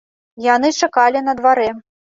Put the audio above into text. Яны чакалі на дварэ.